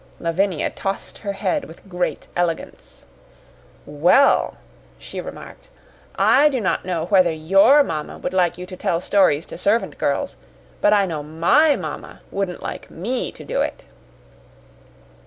Lavinia tossed her head with great elegance. "Well," she remarked, "I do not know whether your mamma would like you to tell stories to servant girls, but I know MY mamma wouldn't like ME to do it."